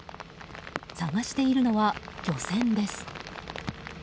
探しているのは漁船です。